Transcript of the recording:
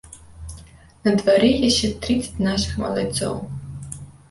На двары яшчэ трыццаць нашых малайцоў.